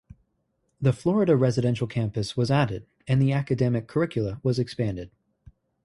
The Florida residential campus was added and the academic curricula was expanded.